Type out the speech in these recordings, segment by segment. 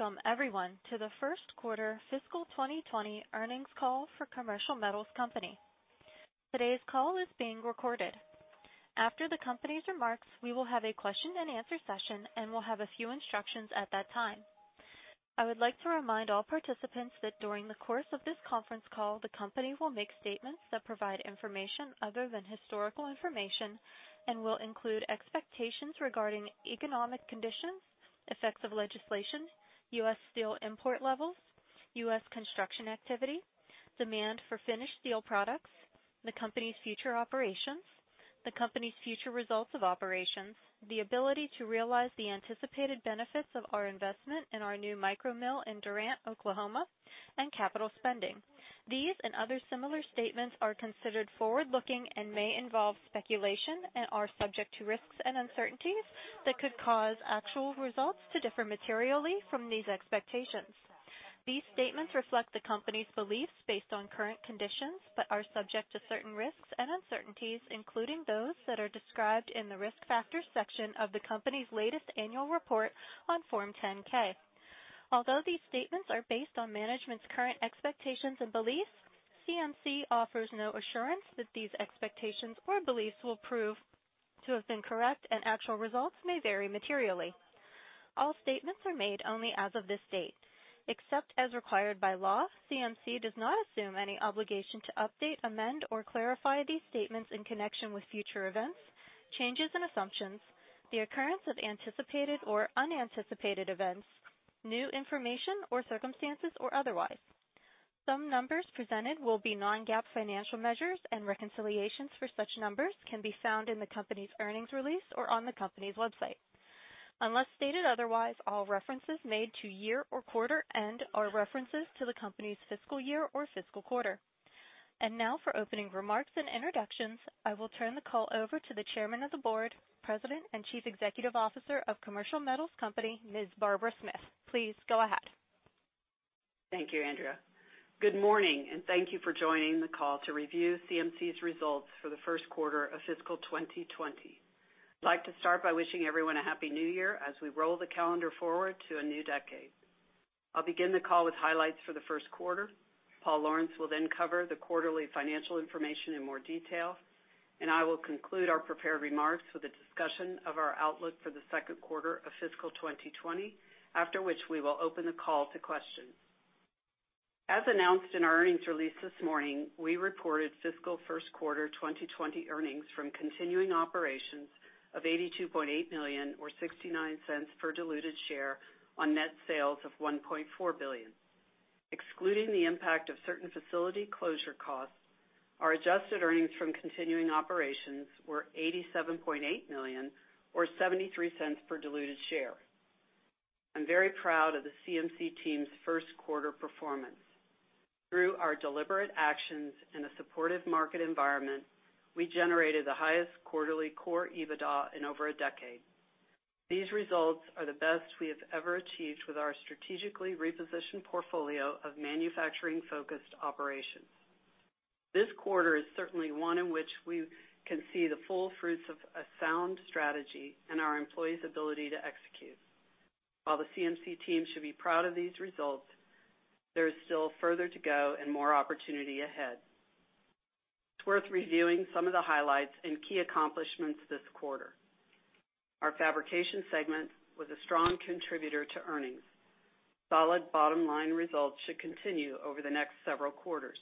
Hello, and welcome, everyone, to the first quarter fiscal 2020 earnings call for Commercial Metals Company. Today's call is being recorded. After the company's remarks, we will have a question and answer session and will have a few instructions at that time. I would like to remind all participants that during the course of this conference call, the company will make statements that provide information other than historical information and will include expectations regarding economic conditions, effects of legislation, U.S. steel import levels, U.S. construction activity, demand for finished steel products, the company's future operations, the company's future results of operations, the ability to realize the anticipated benefits of our investment in our new micro mill in Durant, Oklahoma, and capital spending. These and other similar statements are considered forward-looking and may involve speculation and are subject to risks and uncertainties that could cause actual results to differ materially from these expectations. These statements reflect the company's beliefs based on current conditions, but are subject to certain risks and uncertainties, including those that are described in the Risk Factors section of the company's latest annual report on Form 10-K. Although these statements are based on management's current expectations and beliefs, CMC offers no assurance that these expectations or beliefs will prove to have been correct, and actual results may vary materially. All statements are made only as of this date. Except as required by law, CMC does not assume any obligation to update, amend, or clarify these statements in connection with future events, changes in assumptions, the occurrence of anticipated or unanticipated events, new information or circumstances, or otherwise. Some numbers presented will be non-GAAP financial measures, and reconciliations for such numbers can be found in the company's earnings release or on the company's website. Unless stated otherwise, all references made to year or quarter end are references to the company's fiscal year or fiscal quarter. Now for opening remarks and introductions, I will turn the call over to the Chairman of the Board, President, and Chief Executive Officer of Commercial Metals Company, Ms. Barbara Smith. Please go ahead. Thank you, Andrea. Good morning, thank you for joining the call to review CMC's results for the first quarter of fiscal 2020. I'd like to start by wishing everyone a happy new year as we roll the calendar forward to a new decade. I'll begin the call with highlights for the first quarter. Paul Lawrence will then cover the quarterly financial information in more detail, I will conclude our prepared remarks with a discussion of our outlook for the second quarter of fiscal 2020, after which we will open the call to questions. As announced in our earnings release this morning, we reported fiscal first quarter 2020 earnings from continuing operations of $82.8 million, or $0.69 per diluted share, on net sales of $1.4 billion. Excluding the impact of certain facility closure costs, our adjusted earnings from continuing operations were $87.8 million, or $0.73 per diluted share. I'm very proud of the CMC team's first quarter performance. Through our deliberate actions in a supportive market environment, we generated the highest quarterly core EBITDA in over a decade. These results are the best we have ever achieved with our strategically repositioned portfolio of manufacturing-focused operations. This quarter is certainly one in which we can see the full fruits of a sound strategy and our employees' ability to execute. While the CMC team should be proud of these results, there is still further to go and more opportunity ahead. It's worth reviewing some of the highlights and key accomplishments this quarter. Our fabrication segment was a strong contributor to earnings. Solid bottom-line results should continue over the next several quarters.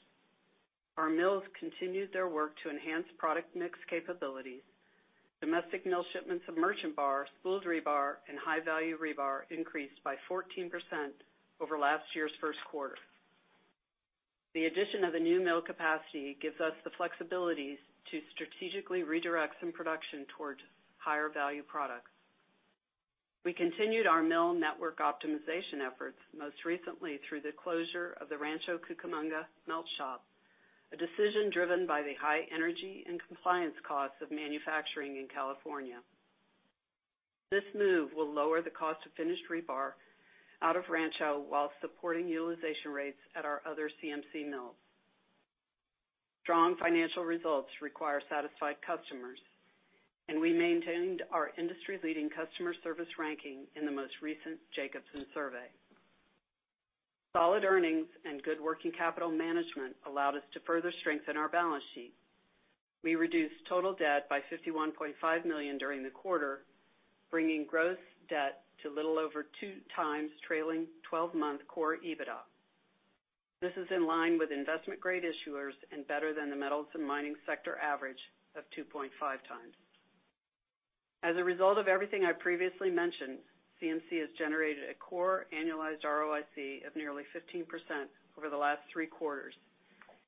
Our mills continued their work to enhance product mix capabilities. Domestic mill shipments of merchant bar, spooled rebar, and high-value rebar increased by 14% over last year's first quarter. The addition of new mill capacity gives us the flexibilities to strategically redirect some production towards higher-value products. We continued our mill network optimization efforts, most recently through the closure of the Rancho Cucamonga melt shop, a decision driven by the high energy and compliance costs of manufacturing in California. This move will lower the cost of finished rebar out of Rancho while supporting utilization rates at our other CMC mills. Strong financial results require satisfied customers, and we maintained our industry-leading customer service ranking in the most recent Jacobson survey. Solid earnings and good working capital management allowed us to further strengthen our balance sheet. We reduced total debt by $51.5 million during the quarter, bringing gross debt to little over 2x trailing 12-month core EBITDA. This is in line with investment-grade issuers and better than the metals and mining sector average of 2.5x. As a result of everything I previously mentioned, CMC has generated a core annualized ROIC of nearly 15% over the last three quarters,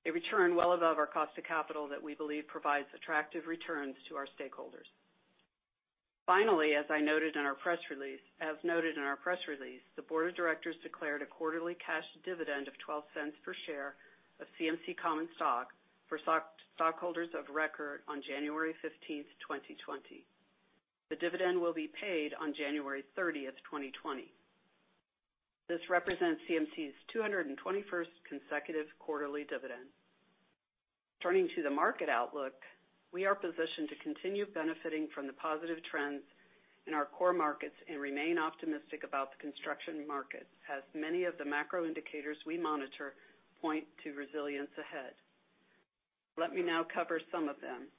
a return well above our cost of capital that we believe provides attractive returns to our stakeholders. Finally, as noted in our press release, the board of directors declared a quarterly cash dividend of $0.12 per share of CMC common stock for stockholders of record on January 15th, 2020. The dividend will be paid on January 30th, 2020. This represents CMC's 221st consecutive quarterly dividend. Turning to the market outlook, we are positioned to continue benefiting from the positive trends in our core markets and remain optimistic about the construction market, as many of the macro indicators we monitor point to resilience ahead. Let me now cover some of them.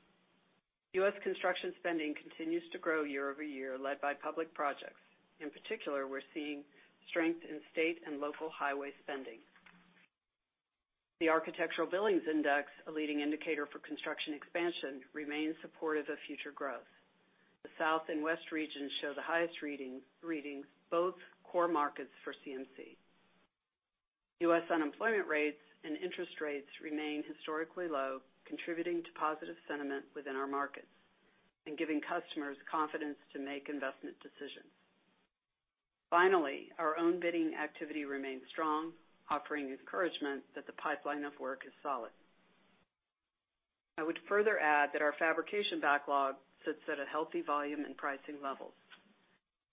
U.S. construction spending continues to grow year-over-year, led by public projects. In particular, we're seeing strength in state and local highway spending. The Architecture Billings Index, a leading indicator for construction expansion, remains supportive of future growth. The South and West regions show the highest readings, both core markets for CMC. U.S. unemployment rates and interest rates remain historically low, contributing to positive sentiment within our markets and giving customers confidence to make investment decisions. Finally, our own bidding activity remains strong, offering encouragement that the pipeline of work is solid. I would further add that our fabrication backlog sits at a healthy volume and pricing levels.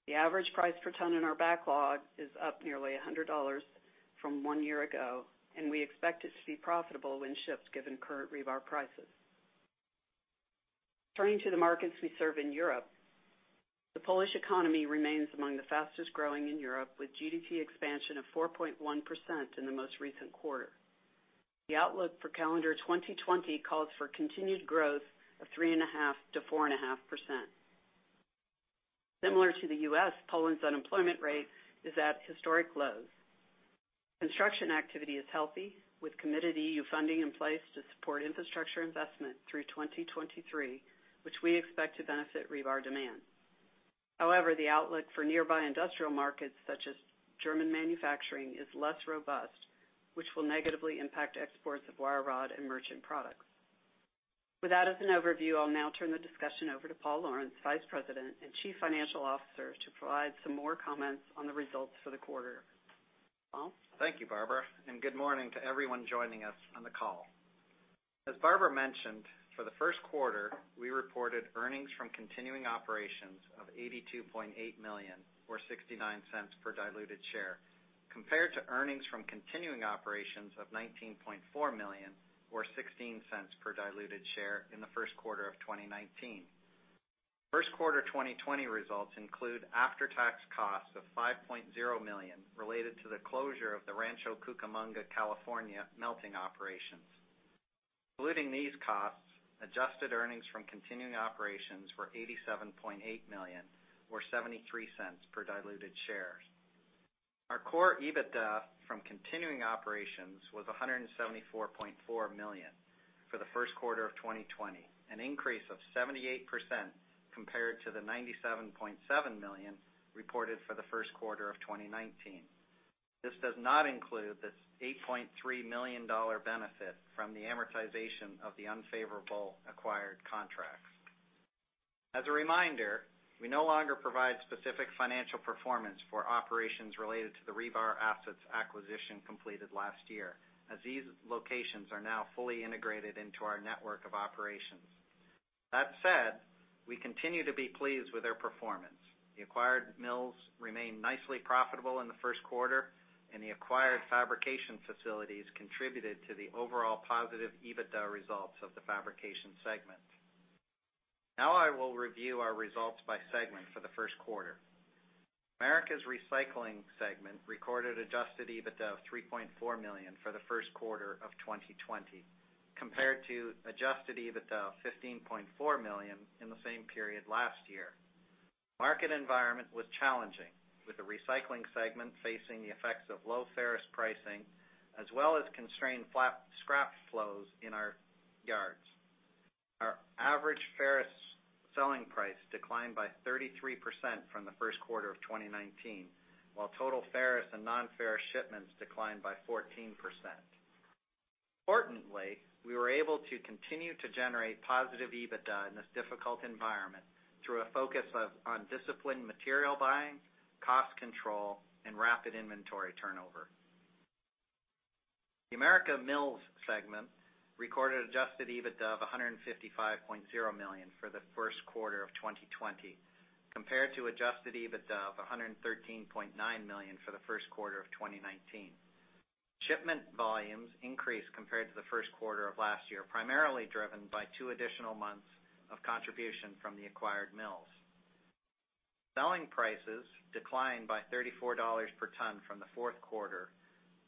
The average price per ton in our backlog is up nearly $100 from one year ago, and we expect it to be profitable when shipped, given current rebar prices. Turning to the markets we serve in Europe, the Polish economy remains among the fastest-growing in Europe, with GDP expansion of 4.1% in the most recent quarter. The outlook for calendar 2020 calls for continued growth of 3.5%-4.5%. Similar to the U.S., Poland's unemployment rate is at historic lows. Construction activity is healthy, with committed EU funding in place to support infrastructure investment through 2023, which we expect to benefit rebar demand. However, the outlook for nearby industrial markets, such as German manufacturing, is less robust, which will negatively impact exports of wire rod and merchant products. With that as an overview, I'll now turn the discussion over to Paul Lawrence, Vice President and Chief Financial Officer, to provide some more comments on the results for the quarter. Paul? Thank you, Barbara, good morning to everyone joining us on the call. As Barbara mentioned, for the first quarter, we reported earnings from continuing operations of $82.8 million, or $0.69 per diluted share, compared to earnings from continuing operations of $19.4 million, or $0.16 per diluted share in the first quarter of 2019. First quarter 2020 results include after-tax costs of $5.0 million related to the closure of the Rancho Cucamonga, California melting operations. Excluding these costs, adjusted earnings from continuing operations were $87.8 million, or $0.73 per diluted share. Our core EBITDA from continuing operations was $174.4 million for the first quarter of 2020, an increase of 78% compared to the $97.7 million reported for the first quarter of 2019. This does not include the $8.3 million benefit from the amortization of the unfavorable acquired contracts. As a reminder, we no longer provide specific financial performance for operations related to the rebar assets acquisition completed last year, as these locations are now fully integrated into our network of operations. That said, we continue to be pleased with their performance. The acquired mills remained nicely profitable in the first quarter, and the acquired fabrication facilities contributed to the overall positive EBITDA results of the fabrication segment. Now I will review our results by segment for the first quarter. Americas Recycling segment recorded adjusted EBITDA of $3.4 million for the first quarter of 2020, compared to adjusted EBITDA of $15.4 million in the same period last year. Market environment was challenging, with the recycling segment facing the effects of low ferrous pricing, as well as constrained scrap flows in our yards. Our average ferrous selling price declined by 33% from the first quarter of 2019, while total ferrous and non-ferrous shipments declined by 14%. Importantly, we were able to continue to generate positive EBITDA in this difficult environment through a focus on disciplined material buying, cost control, and rapid inventory turnover. The Americas Mills segment recorded adjusted EBITDA of $155.0 million for the first quarter of 2020, compared to adjusted EBITDA of $113.9 million for the first quarter of 2019. Shipment volumes increased compared to the first quarter of last year, primarily driven by two additional months of contribution from the acquired mills. Selling prices declined by $34 per ton from the fourth quarter,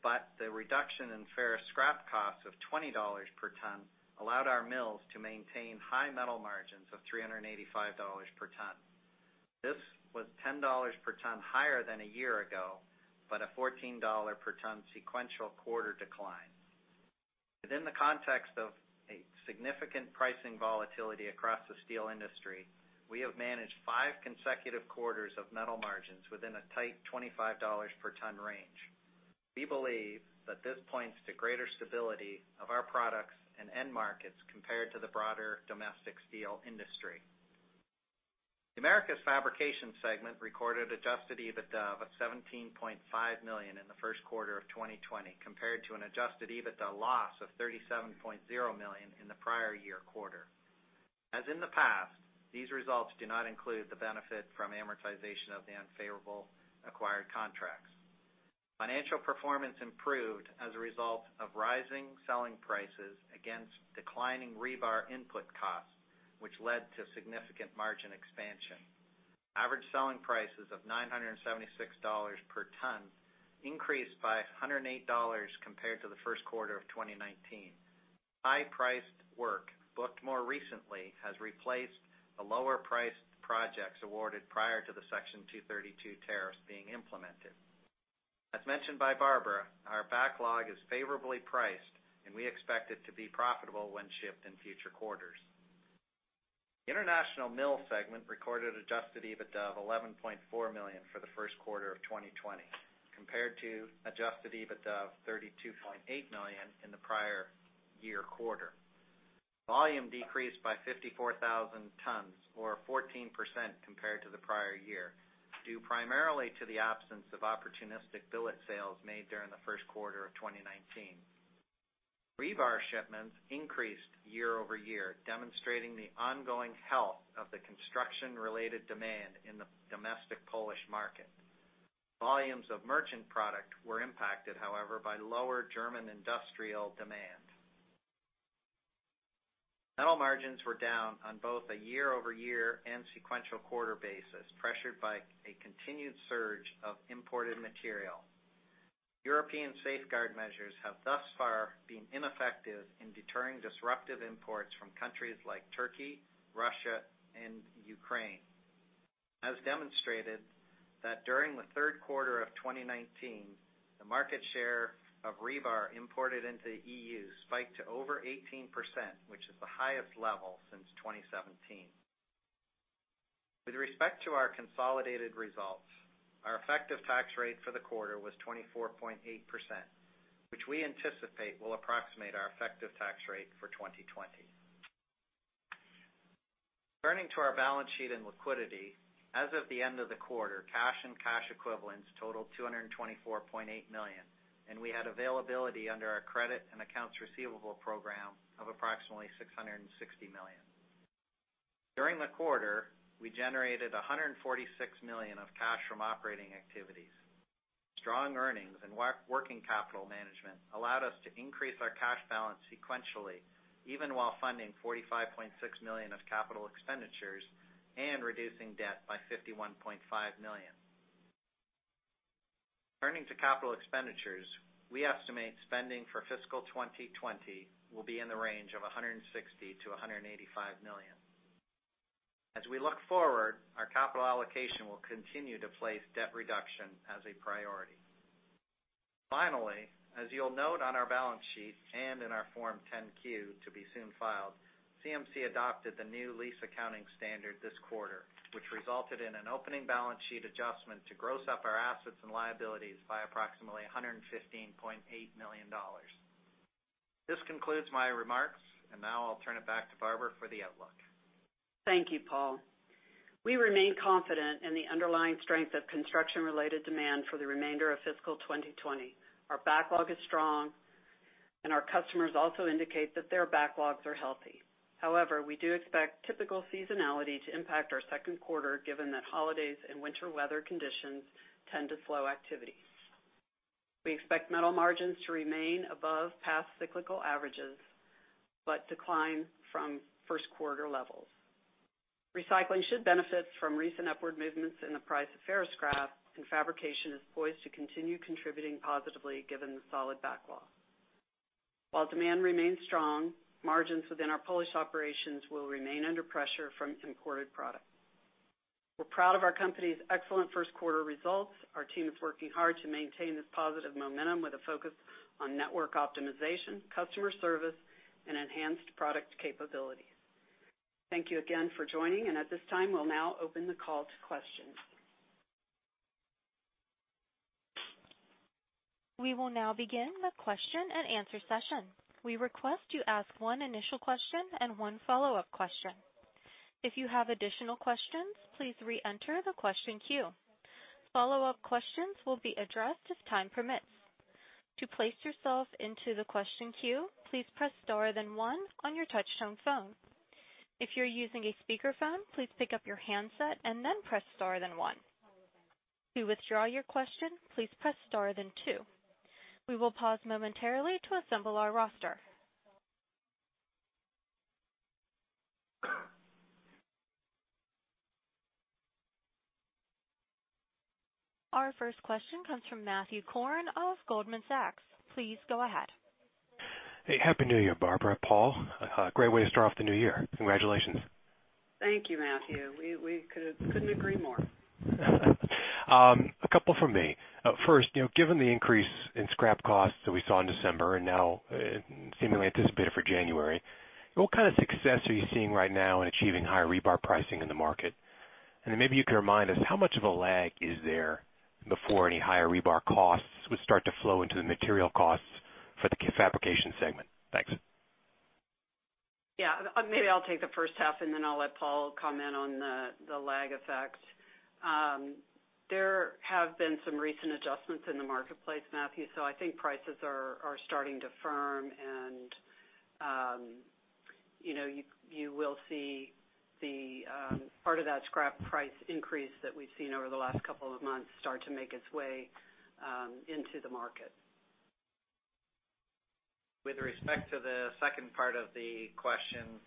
but the reduction in ferrous scrap costs of $20 per ton allowed our mills to maintain high metal margins of $385 per ton. This was $10 per ton higher than a year ago, but a $14 per ton sequential quarter decline. Within the context of a significant pricing volatility across the steel industry, we have managed five consecutive quarters of metal margins within a tight $25 per ton range. We believe that this points to greater stability of our products and end markets compared to the broader domestic steel industry. The Americas Fabrication segment recorded adjusted EBITDA of $17.5 million in the first quarter of 2020, compared to an adjusted EBITDA loss of $37.0 million in the prior year quarter. As in the past, these results do not include the benefit from amortization of the unfavorable acquired contracts. Financial performance improved as a result of rising selling prices against declining rebar input costs, which led to significant margin expansion. Average selling prices of $976 per ton increased by $108 compared to the first quarter of 2019. High-priced work booked more recently has replaced the lower-priced projects awarded prior to the Section 232 tariffs being implemented. As mentioned by Barbara, our backlog is favorably priced, and we expect it to be profitable when shipped in future quarters. International Mill segment recorded adjusted EBITDA of $11.4 million for the first quarter of 2020, compared to adjusted EBITDA of $32.8 million in the prior year quarter. Volume decreased by 54,000 tons, or 14% compared to the prior year, due primarily to the absence of opportunistic billet sales made during the first quarter of 2019. Rebar shipments increased year-over-year, demonstrating the ongoing health of the construction-related demand in the domestic Polish market. Volumes of merchant product were impacted, however, by lower German industrial demand. metal margins were down on both a year-over-year and sequential quarter basis, pressured by a continued surge of imported material. European safeguard measures have thus far been ineffective in deterring disruptive imports from countries like Turkey, Russia, and Ukraine. Demonstrated that during the third quarter of 2019, the market share of rebar imported into the EU spiked to over 18%, which is the highest level since 2017. With respect to our consolidated results, our effective tax rate for the quarter was 24.8%, which we anticipate will approximate our effective tax rate for 2020. Turning to our balance sheet and liquidity, as of the end of the quarter, cash and cash equivalents totaled $224.8 million, and we had availability under our credit and accounts receivable program of approximately $660 million. During the quarter, we generated $146 million of cash from operating activities. Strong earnings and working capital management allowed us to increase our cash balance sequentially, even while funding $45.6 million of capital expenditures and reducing debt by $51.5 million. Turning to capital expenditures, we estimate spending for fiscal 2020 will be in the range of $160 million-$185 million. As we look forward, our capital allocation will continue to place debt reduction as a priority. Finally, as you'll note on our balance sheet and in our Form 10-Q to be soon filed, CMC adopted the new lease accounting standard this quarter, which resulted in an opening balance sheet adjustment to gross up our assets and liabilities by approximately $115.8 million. This concludes my remarks, now I'll turn it back to Barbara for the outlook. Thank you, Paul. We remain confident in the underlying strength of construction-related demand for the remainder of fiscal 2020. Our backlog is strong, and our customers also indicate that their backlogs are healthy. However, we do expect typical seasonality to impact our second quarter, given that holidays and winter weather conditions tend to slow activity. We expect metal margins to remain above past cyclical averages, but decline from first quarter levels. Recycling should benefit from recent upward movements in the price of ferrous scrap, and fabrication is poised to continue contributing positively given the solid backlog. While demand remains strong, margins within our Polish operations will remain under pressure from imported products. We're proud of our company's excellent first quarter results. Our team is working hard to maintain this positive momentum with a focus on network optimization, customer service, and enhanced product capability. Thank you again for joining, and at this time, we'll now open the call to questions. We will now begin the question and answer session. We request you ask one initial question and one follow-up question. If you have additional questions, please re-enter the question queue. Follow-up questions will be addressed as time permits. To place yourself into the question queue, please press star then 1 on your touch-tone phone. If you're using a speakerphone, please pick up your handset and then press star then 1. To withdraw your question, please press star then 2. We will pause momentarily to assemble our roster. Our first question comes from Matthew Korn of Goldman Sachs. Please go ahead. Hey, Happy New Year, Barbara, Paul. A great way to start off the new year. Congratulations. Thank you, Matthew. We couldn't agree more. A couple from me. First, given the increase in scrap costs that we saw in December and now seemingly anticipated for January, what kind of success are you seeing right right now in achieving higher rebar pricing in the market? Maybe you can remind us how much of a lag is there before any higher rebar costs would start to flow into the material costs for the fabrication segment? Thanks. Yeah. Maybe I'll take the first half, and then I'll let Paul comment on the lag effect. There have been some recent adjustments in the marketplace, Matthew. I think prices are starting to firm and you will see the part of that scrap price increase that we've seen over the last couple of months start to make its way into the market. With respect to the second part of the question,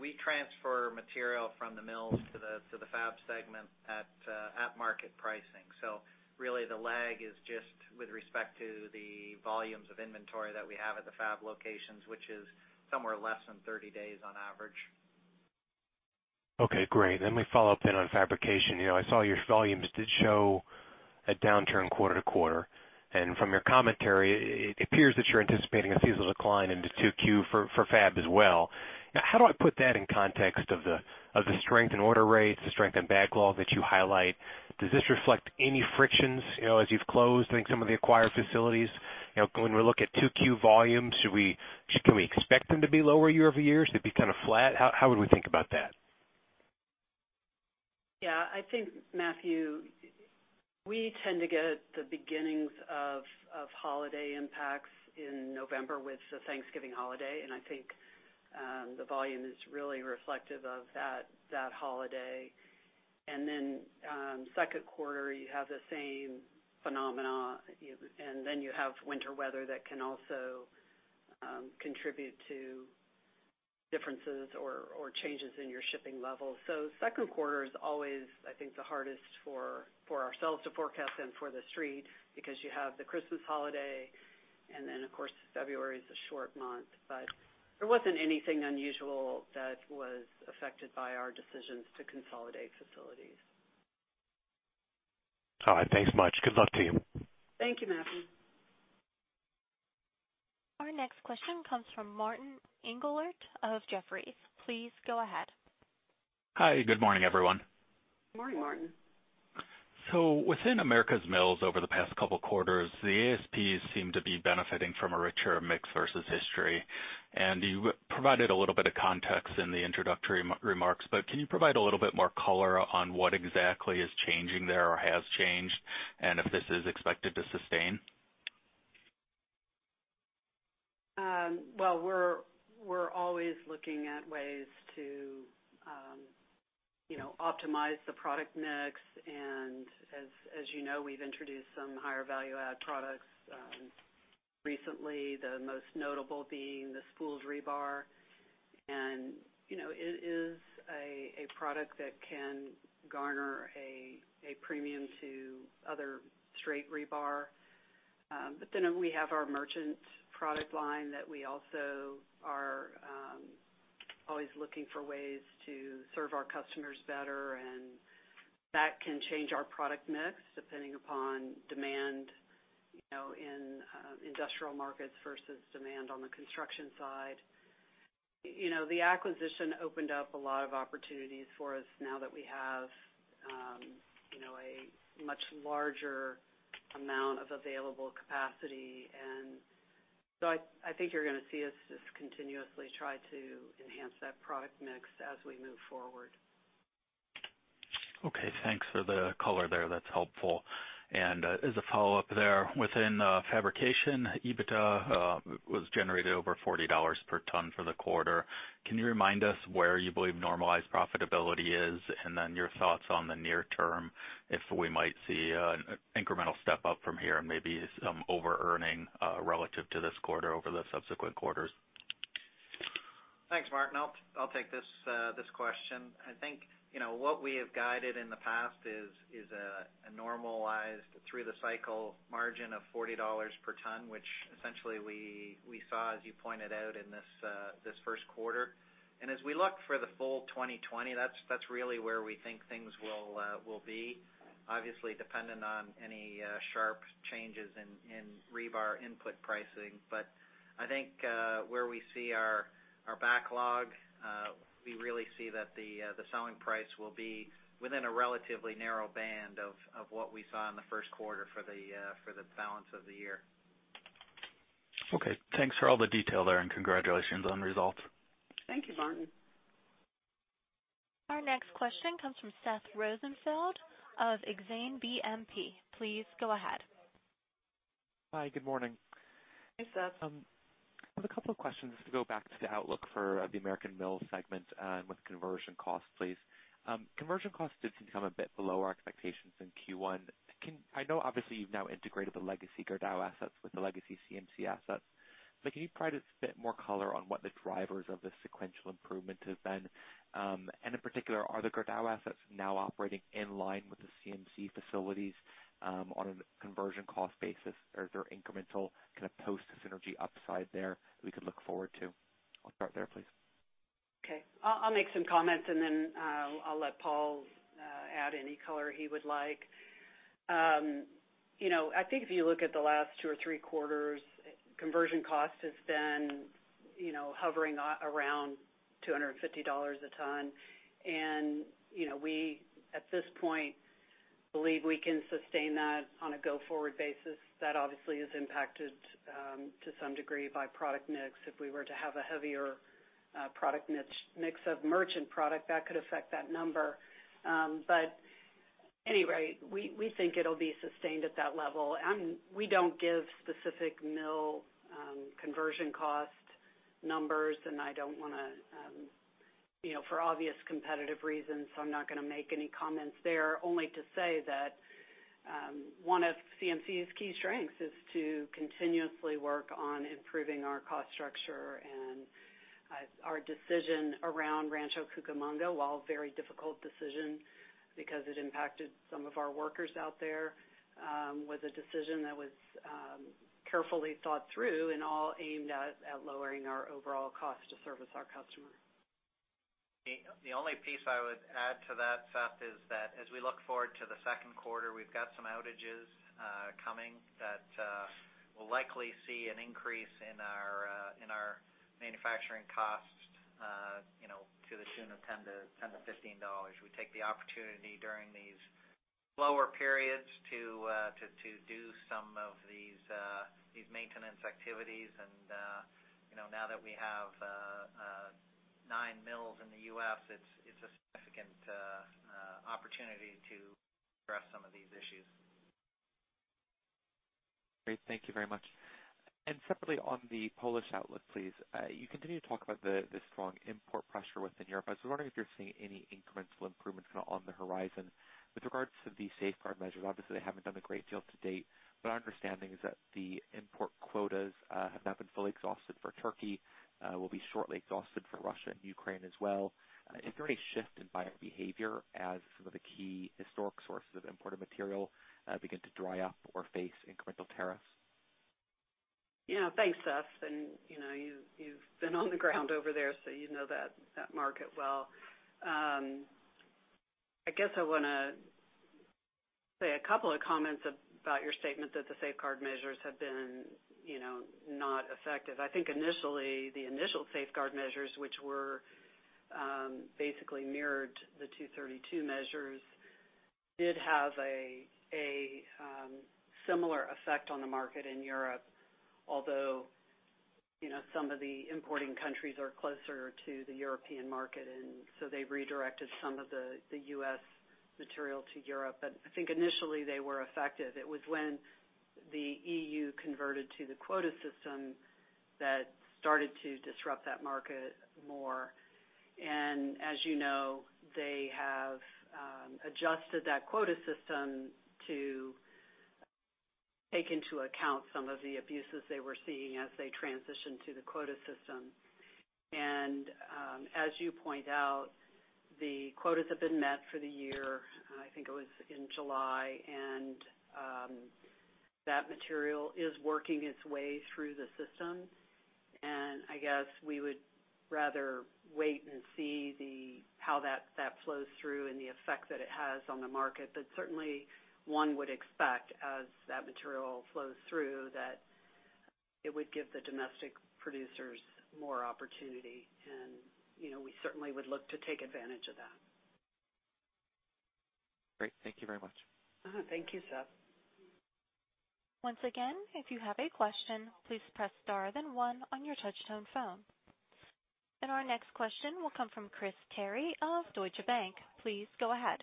we transfer material from the mills to the Fab segment at market pricing. Really the lag is just with respect to the volumes of inventory that we have at the Fab locations, which is somewhere less than 30 days on average. Okay, great. Let me follow up then on fabrication. I saw your volumes did show a downturn quarter-over-quarter, and from your commentary, it appears that you're anticipating a seasonal decline into 2Q for fab as well. How do I put that in context of the strength in order rates, the strength in backlog that you highlight? Does this reflect any frictions as you've closed, I think, some of the acquired facilities? When we look at 2Q volumes, can we expect them to be lower year-over-year? To be kind of flat? How would we think about that? Yeah, I think, Matthew, we tend to get the beginnings of holiday impacts in November with the Thanksgiving holiday, and I think the volume is really reflective of that holiday. Second quarter, you have the same phenomena, and then you have winter weather that can also contribute to differences or changes in your shipping levels. The second quarter is always, I think, the hardest for ourselves to forecast and for The Street, because you have the Christmas holiday, and then, of course, February is a short month. There wasn't anything unusual that was affected by our decisions to consolidate facilities. All right. Thanks much. Good luck to you. Thank you, Matthew. Our next question comes from Martin Englert of Jefferies. Please go ahead. Hi. Good morning, everyone. Good morning, Martin. Within Americas Mills over the past couple of quarters, the ASPs seem to be benefiting from a richer mix versus history. You provided a little bit of context in the introductory remarks, can you provide a little bit more color on what exactly is changing there or has changed, and if this is expected to sustain? We're always looking at ways to optimize the product mix, and as you know, we've introduced some higher value-add products recently, the most notable being the spooled rebar. It is a product that can garner a premium to other straight rebar. We have our merchant product line that we also are always looking for ways to serve our customers better, and that can change our product mix depending upon demand in industrial markets versus demand on the construction side. The acquisition opened up a lot of opportunities for us now that we have a much larger amount of available capacity. I think you're going to see us just continuously try to enhance that product mix as we move forward. Okay. Thanks for the color there. That's helpful. As a follow-up there, within Fabrication, EBITDA was generated over $40 per ton for the quarter. Can you remind us where you believe normalized profitability is, and then your thoughts on the near term, if we might see an incremental step up from here and maybe some over-earning relative to this quarter over the subsequent quarters? Thanks, Martin. I'll take this question. I think what we have guided in the past is a normalized through the cycle margin of $40 per ton, which essentially we saw, as you pointed out in this first quarter. As we look for the full 2020, that's really where we think things will be, obviously dependent on any sharp changes in rebar input pricing. I think where we see our backlog, we really see that the selling price will be within a relatively narrow band of what we saw in the first quarter for the balance of the year. Okay. Thanks for all the detail there. Congratulations on the results. Thank you, Martin. Our next question comes from Seth Rosenfeld of Exane BNP. Please go ahead. Hi. Good morning. Hey, Seth. I have a couple of questions, just to go back to the outlook for the Americas Mills segment with conversion costs, please. Conversion costs did seem to come a bit below our expectations in Q1. I know obviously you've now integrated the legacy Gerdau assets with the legacy CMC assets, but can you provide a bit more color on what the drivers of the sequential improvement have been? In particular, are the Gerdau assets now operating in line with the CMC facilities on a conversion cost basis? Is there incremental kind of post-synergy upside there we could look forward to? I'll start there, please. Okay. I'll make some comments, and then I'll let Paul add any color he would like. I think if you look at the last two or three quarters, conversion cost has been hovering around $250 a ton, and we, at this point, believe we can sustain that on a go-forward basis. That obviously is impacted to some degree by product mix. If we were to have a heavier product mix of merchant product, that could affect that number. Anyway, we think it'll be sustained at that level. We don't give specific mill conversion cost numbers, and for obvious competitive reasons, I'm not going to make any comments there, only to say that one of CMC's key strengths is to continuously work on improving our cost structure. Our decision around Rancho Cucamonga, while a very difficult decision because it impacted some of our workers out there, was a decision that was carefully thought through and all aimed at lowering our overall cost to service our customer. The only piece I would add to that, Seth, is that as we look forward to the second quarter, we've got some outages coming that will likely see an increase in our manufacturing costs to the tune of $10-$15. We take the opportunity during these slower periods to do some of these maintenance activities. Now that we have nine mills in the U.S., it's a significant opportunity to address some of these issues. Great. Thank you very much. Separately on the Polish outlook, please. You continue to talk about the strong import pressure within Europe. I was wondering if you're seeing any incremental improvements on the horizon with regards to the safeguard measures. Obviously, they haven't done a great deal to date, but our understanding is that the import quotas have now been fully exhausted for Turkey, will be shortly exhausted for Russia and Ukraine as well. Is there any shift in buyer behavior as some of the key historic sources of imported material begin to dry up or face incremental tariffs? Thanks, Seth. You've been on the ground over there, so you know that market well. I guess I want to say a couple of comments about your statement that the safeguard measures have been not effective. I think initially, the initial safeguard measures, which basically mirrored the 232 measures, did have a similar effect on the market in Europe. Although some of the importing countries are closer to the European market, and so they redirected some of the U.S. material to Europe. I think initially they were effective. It was when the EU converted to the quota system that started to disrupt that market more. As you know, they have adjusted that quota system to take into account some of the abuses they were seeing as they transitioned to the quota system. As you point out, the quotas have been met for the year, I think it was in July, and that material is working its way through the system. I guess we would rather wait and see how that flows through and the effect that it has on the market. Certainly one would expect as that material flows through, that it would give the domestic producers more opportunity, and we certainly would look to take advantage of that. Great. Thank you very much. Thank you, Seth. Once again, if you have a question, please press star then one on your touch-tone phone. Our next question will come from Christopher Terry of Deutsche Bank. Please go ahead.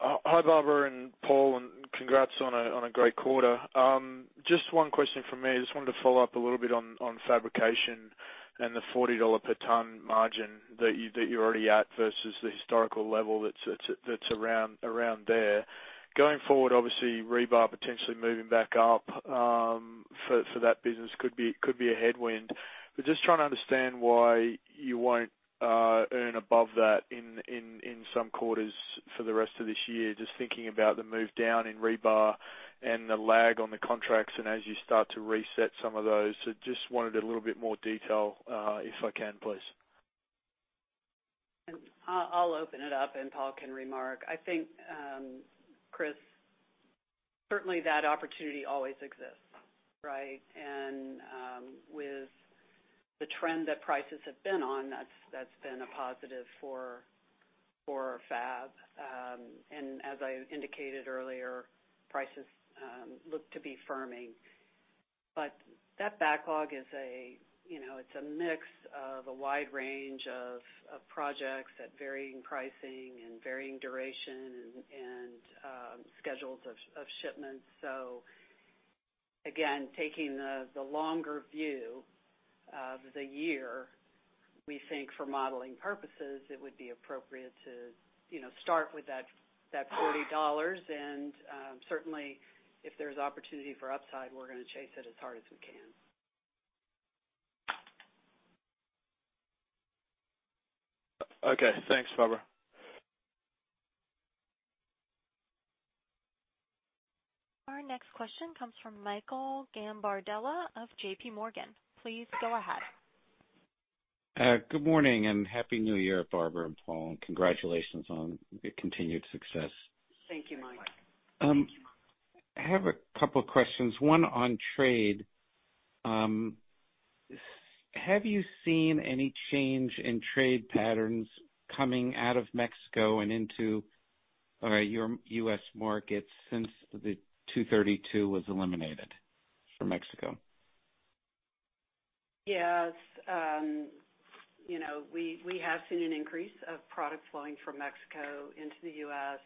Hi, Barbara and Paul, and congrats on a great quarter. Just one question from me. I just wanted to follow up a little bit on Americas Fabrication and the $40 per ton margin that you're already at versus the historical level that's around there. Going forward, obviously, rebar potentially moving back up for that business could be a headwind. Just trying to understand why you won't earn above that in some quarters for the rest of this year. Just thinking about the move down in rebar and the lag on the contracts and as you start to reset some of those. Just wanted a little bit more detail, if I can, please. I'll open it up and Paul can remark. I think, Chris, certainly that opportunity always exists, right? With the trend that prices have been on, that's been a positive for fab. As I indicated earlier, prices look to be firming. That backlog, it's a mix of a wide range of projects at varying pricing and varying duration and schedules of shipments. Again, taking the longer view of the year, we think for modeling purposes, it would be appropriate to start with that $40, and certainly if there's opportunity for upside, we're going to chase it as hard as we can. Okay. Thanks, Barbara. Our next question comes from Michael Gambardella of JPMorgan Chase. Please go ahead. Good morning and happy New Year, Barbara and Paul, and congratulations on the continued success. Thank you, Mike. Thank you. I have a couple questions, one on trade. Have you seen any change in trade patterns coming out of Mexico and into your U.S. markets since the 232 was eliminated for Mexico? Yes. We have seen an increase of product flowing from Mexico into the U.S.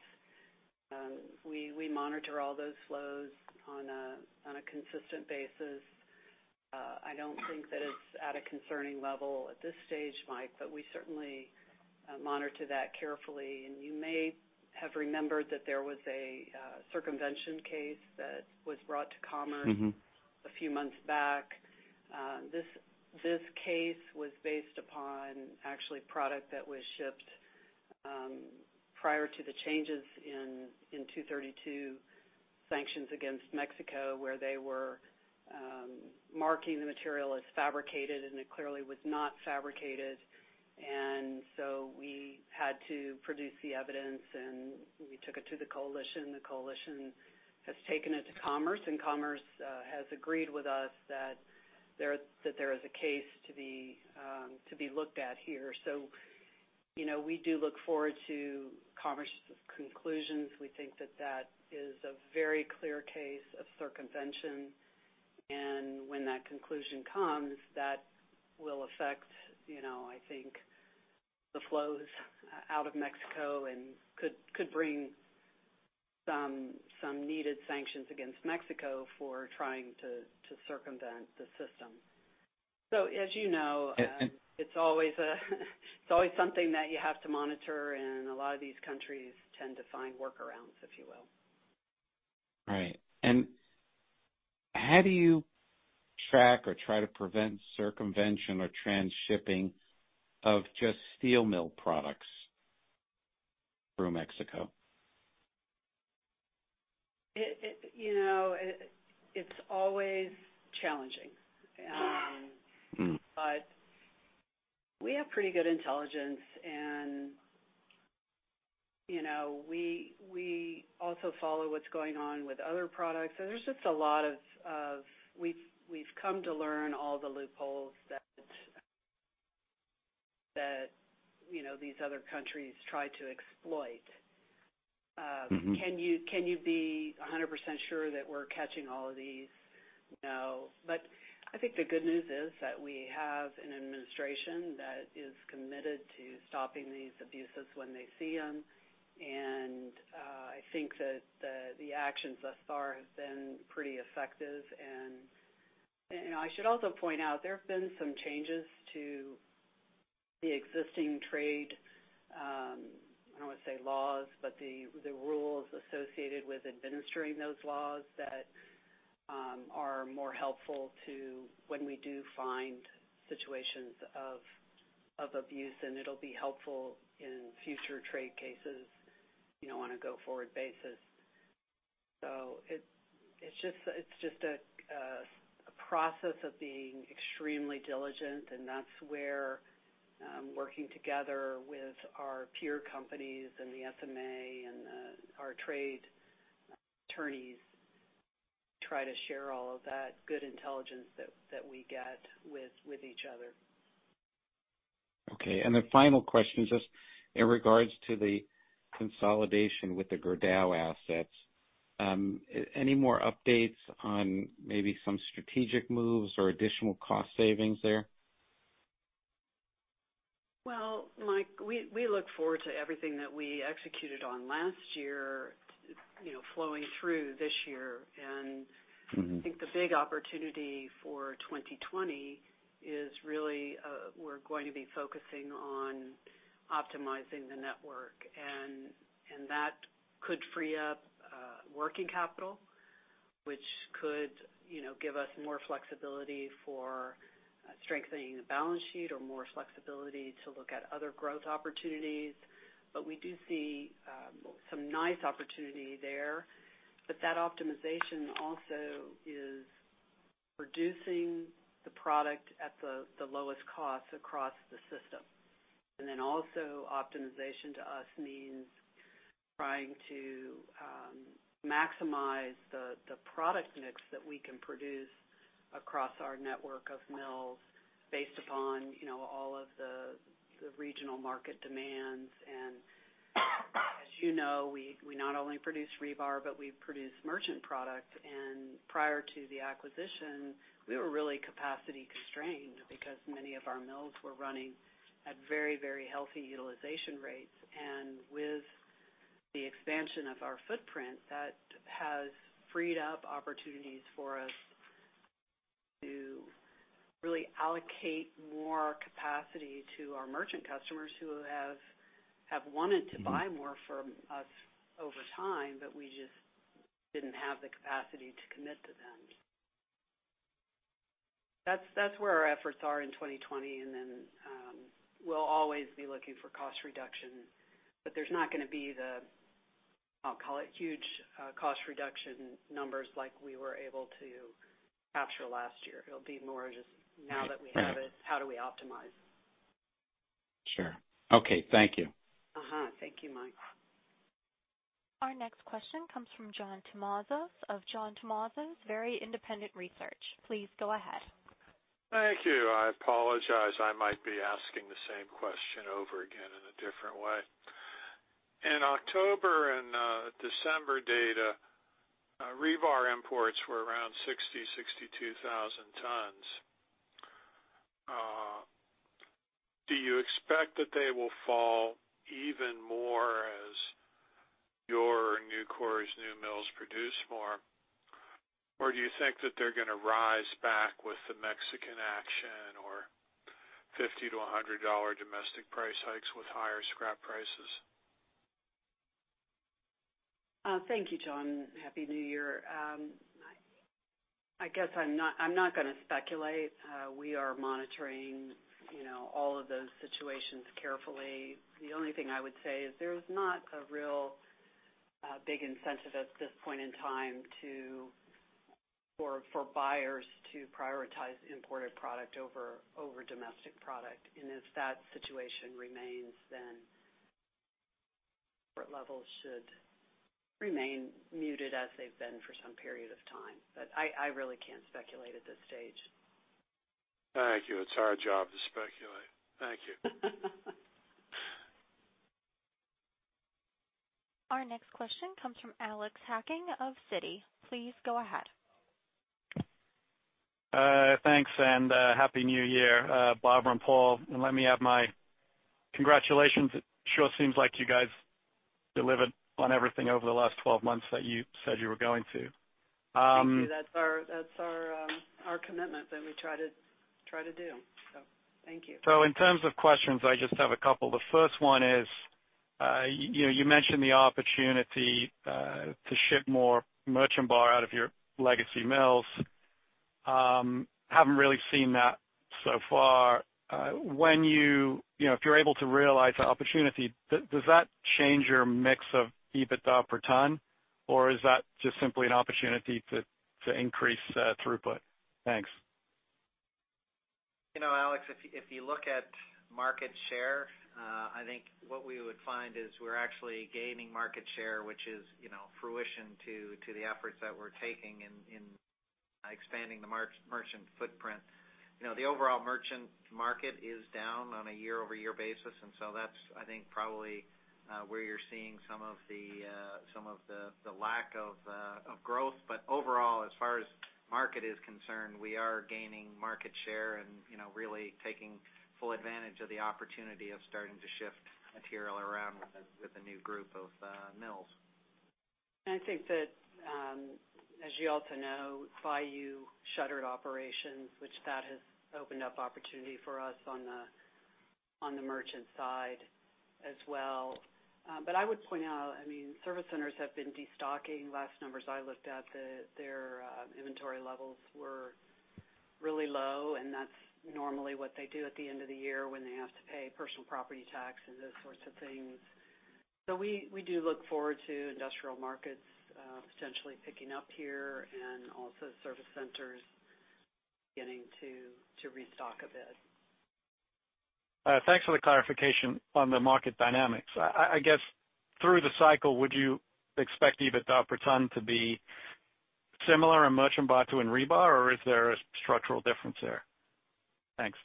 We monitor all those flows on a consistent basis. I don't think that it's at a concerning level at this stage, Mike, but we certainly monitor that carefully. You may have remembered that there was a circumvention case that was brought to Commerce. A few months back. This case was based upon actually product that was shipped prior to the changes in Section 232 sanctions against Mexico, where they were marking the material as fabricated, and it clearly was not fabricated. We had to produce the evidence, and we took it to the coalition. The coalition has taken it to Commerce, and Commerce has agreed with us that there is a case to be looked at here. We do look forward to Commerce's conclusions. We think that that is a very clear case of circumvention. When that conclusion comes, that will affect, I think, the flows out of Mexico and could bring some needed sanctions against Mexico for trying to circumvent the system. As you know. And- It's always something that you have to monitor, and a lot of these countries tend to find workarounds, if you will. Right. How do you track or try to prevent circumvention or transshipping of just steel mill products through Mexico? It's always challenging. We have pretty good intelligence and we also follow what's going on with other products. We've come to learn all the loopholes that these other countries try to exploit. Can you be 100% sure that we're catching all of these? No. I think the good news is that we have an administration that is committed to stopping these abuses when they see them, and I think that the actions thus far have been pretty effective. I should also point out, there have been some changes to the existing trade, I don't want to say laws, but the rules associated with administering those laws that are more helpful to when we do find situations of abuse. It'll be helpful in future trade cases on a go-forward basis. It's just a process of being extremely diligent, and that's where working together with our peer companies and the SMA and our trade attorneys try to share all of that good intelligence that we get with each other. Okay. The final question is just in regards to the consolidation with the Gerdau assets. Any more updates on maybe some strategic moves or additional cost savings there? Well, Mike, we look forward to everything that we executed on last year flowing through this year. I think the big opportunity for 2020 is really we're going to be focusing on optimizing the network. That could free up working capital, which could give us more flexibility for strengthening the balance sheet or more flexibility to look at other growth opportunities. We do see some nice opportunity there. That optimization also is producing the product at the lowest cost across the system. Also optimization to us means trying to maximize the product mix that we can produce across our network of mills based upon all of the regional market demands. As you know, we not only produce rebar, but we produce merchant product. Prior to the acquisition, we were really capacity constrained because many of our mills were running at very healthy utilization rates. With the expansion of our footprint, that has freed up opportunities for us to really allocate more capacity to our merchant customers who have wanted to buy more from us over time, but we just didn't have the capacity to commit to them. That's where our efforts are in 2020. Then we'll always be looking for cost reduction, but there's not going to be the, I'll call it, huge cost reduction numbers like we were able to capture last year. It'll be more just now that we have it. Right how do we optimize? Sure. Okay. Thank you. Thank you, Mike. Our next question comes from John Tumazos of John Tumazos Very Independent Research. Please go ahead. Thank you. I apologize, I might be asking the same question over again in a different way. In October and December data, rebar imports were around 60,000, 62,000 tons. Do you expect that they will fall even more as your new quarries, new mills produce more? Or do you think that they're going to rise back with the Mexican action or $50-$100 domestic price hikes with higher scrap prices? Thank you, John. Happy New Year. I guess I'm not going to speculate. We are monitoring all of those situations carefully. The only thing I would say is there's not a real big incentive at this point in time for buyers to prioritize imported product over domestic product. If that situation remains, then import levels should remain muted as they've been for some period of time. I really can't speculate at this stage. Thank you. It's our job to speculate. Thank you. Our next question comes from Alexander Hacking of Citi. Please go ahead. Thanks. Happy New Year, Barbara and Paul. Let me add my congratulations. It sure seems like you guys delivered on everything over the last 12 months that you said you were going to. Thank you. That's our commitment that we try to do, thank you. In terms of questions, I just have a couple. The first one is, you mentioned the opportunity to ship more merchant bar out of your legacy mills. Haven't really seen that so far. If you're able to realize the opportunity, does that change your mix of EBITDA per ton? Is that just simply an opportunity to increase throughput? Thanks. Alex, if you look at market share, I think what we would find is we're actually gaining market share, which is fruition to the efforts that we're taking in expanding the merchant footprint. The overall merchant market is down on a year-over-year basis, that's, I think, probably where you're seeing some of the lack of growth. Overall, as far as market is concerned, we are gaining market share and really taking full advantage of the opportunity of starting to shift material around with the new group of mills. I think that, as you also know, Bayou shuttered operations, which that has opened up opportunity for us on the merchant side as well. I would point out, service centers have been de-stocking. Last numbers I looked at, their inventory levels were really low, and that's normally what they do at the end of the year when they have to pay personal property tax and those sorts of things. We do look forward to industrial markets potentially picking up here and also service centers beginning to restock a bit. Thanks for the clarification on the market dynamics. I guess through the cycle, would you expect EBITDA per ton to be similar in merchant bar to in rebar, or is there a structural difference there? Thanks.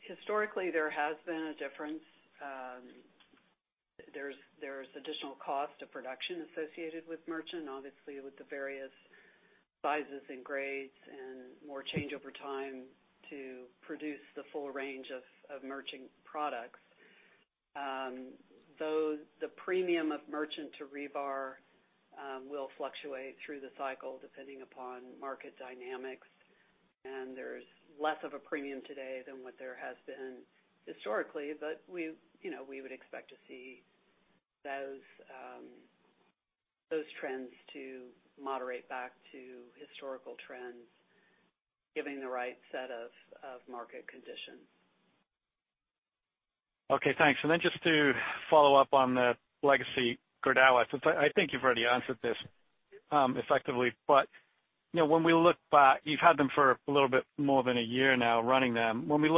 Historically, there has been a difference. There's additional cost of production associated with merchant, obviously, with the various sizes and grades and more change over time to produce the full range of merchant products. The premium of merchant to rebar will fluctuate through the cycle depending upon market dynamics. There's less of a premium today than what there has been historically. We would expect to see those trends to moderate back to historical trends, given the right set of market conditions. Okay, thanks. Just to follow up on the legacy Gerdau assets, I think you've already answered this effectively, but you've had them for a little bit more than a year now, running them. When we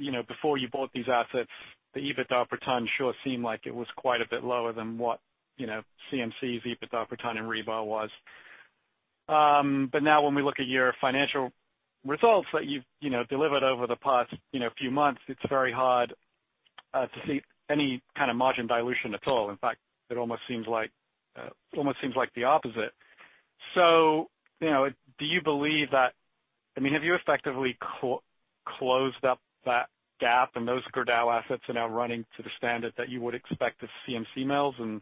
look back, before you bought these assets, the EBITDA per ton sure seemed like it was quite a bit lower than what CMC's EBITDA per ton in rebar was. Now when we look at your financial results that you've delivered over the past few months, it's very hard to see any kind of margin dilution at all. In fact, it almost seems like the opposite. Do you believe have you effectively closed up that gap and those Gerdau assets are now running to the standard that you would expect of CMC mills, and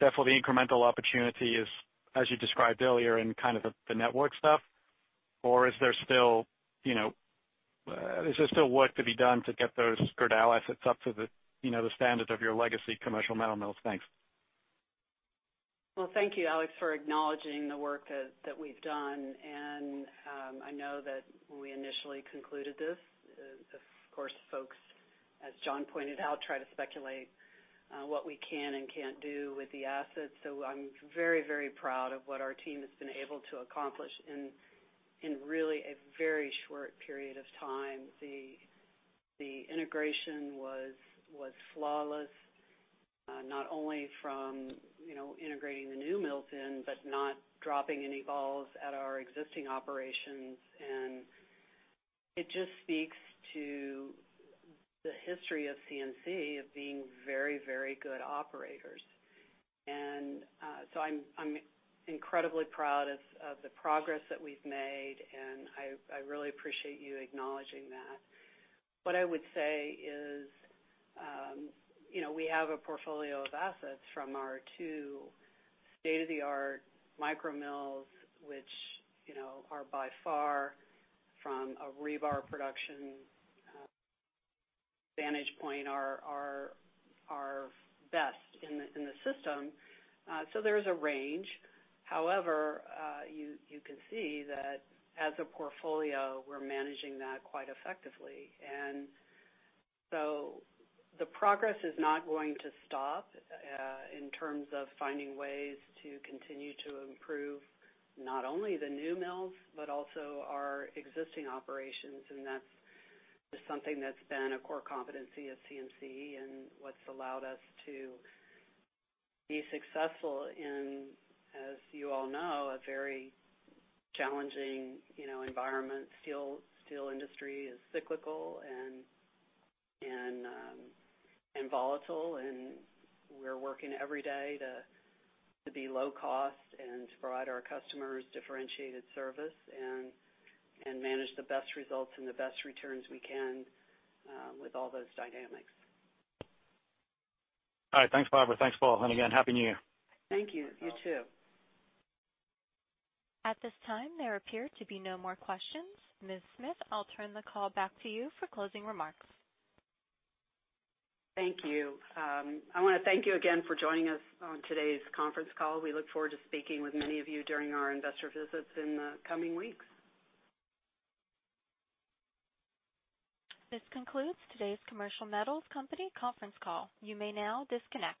therefore the incremental opportunity is, as you described earlier, in kind of the network stuff? Is there still work to be done to get those Gerdau assets up to the standard of your legacy Commercial Metals mills? Thanks. Thank you, Alex, for acknowledging the work that we've done. I know that when we initially concluded this, of course, folks, as John pointed out, try to speculate what we can and can't do with the assets. I'm very proud of what our team has been able to accomplish in really a very short period of time. The integration was flawless. Not only from integrating the new mills in, but not dropping any balls at our existing operations. It just speaks to the history of CMC of being very good operators. I'm incredibly proud of the progress that we've made, and I really appreciate you acknowledging that. What I would say is we have a portfolio of assets from our two state-of-the-art micro mills, which are by far from a rebar production vantage point are best in the system. There's a range. However, you can see that as a portfolio, we're managing that quite effectively. The progress is not going to stop in terms of finding ways to continue to improve, not only the new mills but also our existing operations. That's just something that's been a core competency of CMC and what's allowed us to be successful in, as you all know, a very challenging environment. Steel industry is cyclical and volatile, and we're working every day to be low cost and to provide our customers differentiated service and manage the best results and the best returns we can with all those dynamics. All right. Thanks, Barbara. Thanks, Paul. Again, Happy New Year. Thank you. You too. At this time, there appear to be no more questions. Ms. Smith, I'll turn the call back to you for closing remarks. Thank you. I want to thank you again for joining us on today's conference call. We look forward to speaking with many of you during our investor visits in the coming weeks. This concludes today's Commercial Metals Company conference call. You may now disconnect.